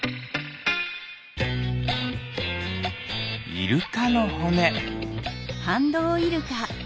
イルカのほね。